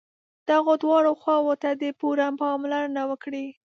دغو دواړو خواوو ته دې پوره پاملرنه وکړي.